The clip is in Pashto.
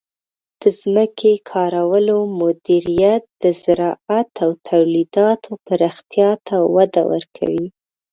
د ځمکې کارولو مدیریت د زراعت او تولیداتو پراختیا ته وده ورکوي.